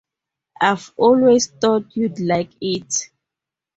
I've always thought you'd like it.